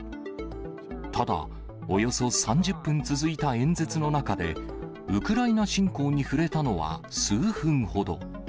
ただ、およそ３０分続いた演説の中で、ウクライナ侵攻に触れたのは数分ほど。